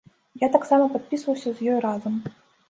Я таксама падпісваўся з ёй разам.